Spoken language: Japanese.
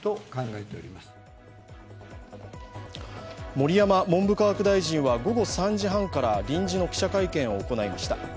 盛山文部科学大臣は午後３時半から臨時の記者会見を行いました。